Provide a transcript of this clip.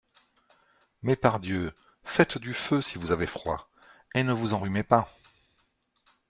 Mais, par Dieu ! Faites du feu si vous avez froid, et ne vous enrhumez pas.